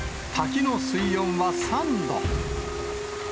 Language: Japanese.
滝の水温は３度。